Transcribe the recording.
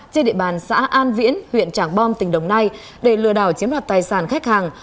trên địa bàn xã an viễn huyện trảng bom tỉnh đồng nai để lừa đảo chiếm đoạt tài sản khách hàng